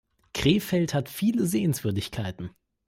Krefeld hat viele Sehenswürdigkeiten